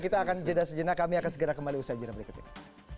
kita akan jenak jenak kami akan segera kembali usai jenak berikutnya